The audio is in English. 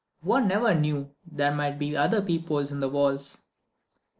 One never knew: there might be other peepholes in the walls.